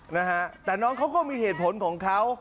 นะฮะแต่น้องเขาก็มีเหตุผลของเขา